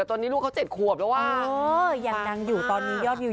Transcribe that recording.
ตอนนี้ลูกเขา๗ขวบแล้วอ่ะยังดังอยู่ตอนนี้ยอดวิว